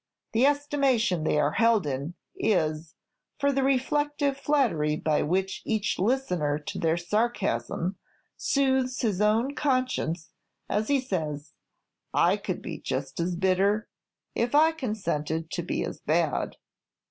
The estimation they are held in is, for the reflective flattery by which each listener to their sarcasms soothes his own conscience as he says, 'I could be just as bitter, if I consented to be as bad.'"